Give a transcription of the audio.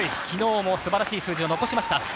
昨日もすばらしい数字を残しました。